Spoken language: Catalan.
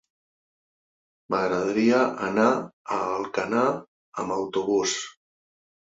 M'agradaria anar a Alcanar amb autobús.